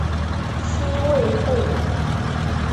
西魏废。